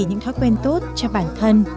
những thói quen tốt cho bản thân